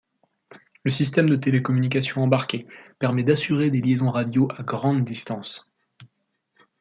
Le système de télécommunications embarqué permet d'assurer des liaisons radio à grande distance.